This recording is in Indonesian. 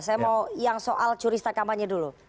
saya mau yang soal curi star kampanye dulu